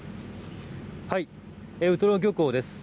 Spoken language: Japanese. ウトロ漁港です。